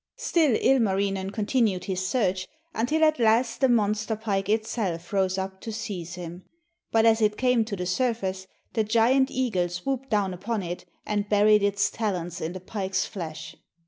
Still Ilmarinen continued his search, until at last the monster pike itself rose up to seize him. But as it came to the surface, the giant eagle swooped down upon it, and buried its talons in the pike's flesh.